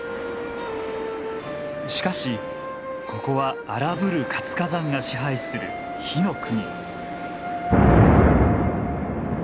しかしここは荒ぶる活火山が支配する火の国。